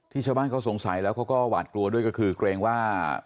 ชาวบ้านเขาสงสัยแล้วเขาก็หวาดกลัวด้วยก็คือเกรงว่า